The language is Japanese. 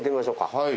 はい。